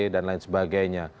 dan lain sebagainya